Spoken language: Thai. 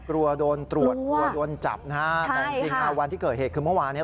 กลัวโดนตรวจกลัวโดนจับนะฮะแต่จริงวันที่เกิดเหตุคือเมื่อวานนี้